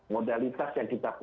modalitas yang kita punya